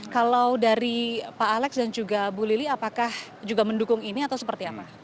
kalau dari pak alex dan juga bu lili apakah juga mendukung ini atau seperti apa